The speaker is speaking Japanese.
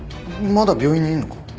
まだ病院にいんのか？